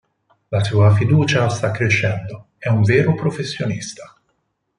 La sua fiducia sta crescendo, è un vero professionista.